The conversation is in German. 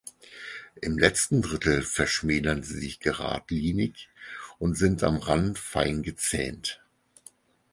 Im letzten Drittel verschmälern sie sich geradlinig und sind am Rand fein gezähnt.